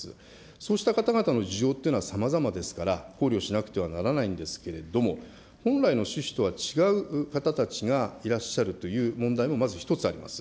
そうした方々の需要っていうのはさまざまでありますから、考慮しなくてはならないんですけれども、本来の趣旨とは違う方たちがいらっしゃるという問題も、まず１つあります。